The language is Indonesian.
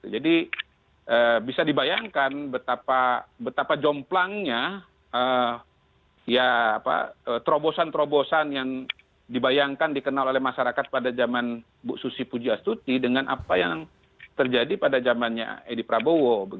jadi bisa dibayangkan betapa jomplangnya terobosan terobosan yang dibayangkan dikenal oleh masyarakat pada zaman ibu susi pujasuti dengan apa yang terjadi pada zamannya edi prabowo